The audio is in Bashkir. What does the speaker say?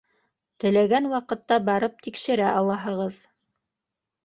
Теләгән ваҡытта барып тикшерә алаһығыҙ.